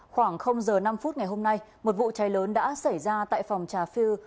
khoảng giờ năm phút ngày hôm nay một vụ cháy lớn đã xảy ra tại phòng trà phi